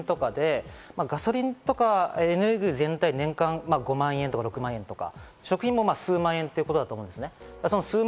ガソリンとか食品とかで、ガソリンとかエネルギー全体で年間５万円とか６万円とか、食品も数万円ということだと思います。